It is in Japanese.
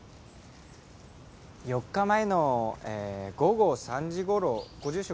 ４日前の午後３時頃ご住職